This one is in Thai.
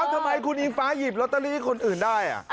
อ้าวทำไมคุณอิงฟ้าหยิบรอตเตอรี่คนอื่นได้อ่ะ